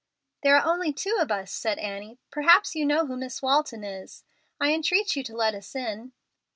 "There are only two of us," said Annie. "Perhaps you know who Miss Walton is. I entreat you to let us in."